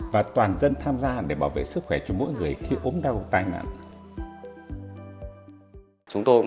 và toàn dân tham gia để bảo vệ sức khỏe cho mỗi người khi ốm đau tai nạn